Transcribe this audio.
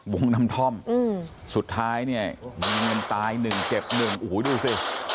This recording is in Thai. วงน้ำท่อมสุดท้ายเนี่ยมีเงินตายหนึ่งเจ็บหนึ่งโอ้โหดูสิ